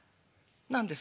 「何です？